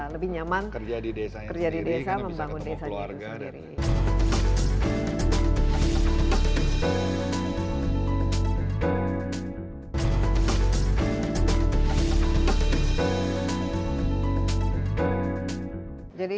lebih nyaman kerja di desa sendiri